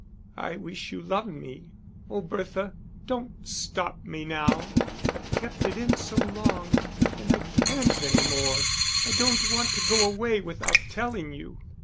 "I wish you loved me. Oh, Bertha, don't stop me now. I've kept it in so long, and I can't any more. I don't want to go away without telling you."